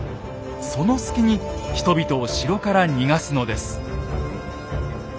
その隙に人々を城から逃がすのです。